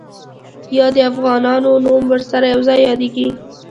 یا د افغانانو نوم ورسره یو ځای یادېږي.